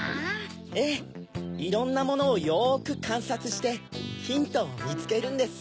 ええいろんなものをよくかんさつしてヒントをみつけるんです。